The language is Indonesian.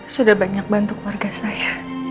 sudah banyak bantu keluarga saya